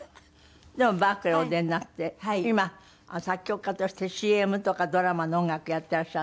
でもバークリーお出になって今作曲家としてＣＭとかドラマの音楽やっていらっしゃるんですって？